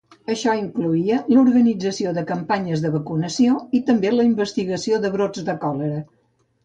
Això incloïa l'organització de campanyes de vacunació i també la investigació de brots de còlera.